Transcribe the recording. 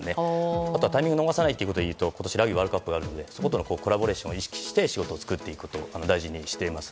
あとはタイミングを逃さないということでいうと今年ラグビーワールドカップがあるのでそことのコラボレーションも作って仕事をしていくことを大事にしています。